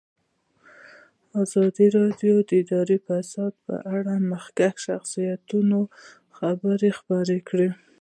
ازادي راډیو د اداري فساد په اړه د مخکښو شخصیتونو خبرې خپرې کړي.